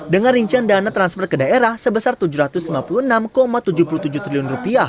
dengan rincian dana transfer ke daerah sebesar rp tujuh ratus lima puluh enam tujuh puluh tujuh triliun